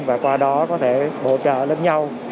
và qua đó có thể hỗ trợ lẫn nhau